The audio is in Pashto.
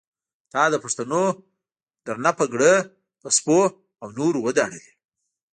تا د پښتنو درنې پګړۍ په سپو او نورو وداړلې.